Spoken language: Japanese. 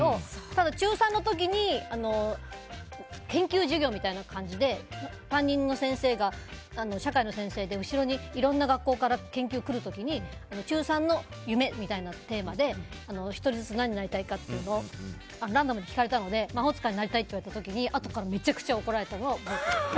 ただ、中３の時に研究授業みたいな感じで担任の先生が社会の先生で後ろに、いろんな学校から研究に来るときに中３の夢みたいなテーマで１人ずつ何になりたいかっていうのをランダムに聞かれたので魔法使いになりたいと言った時に、あとからめちゃくちゃ怒られたのを覚えてる。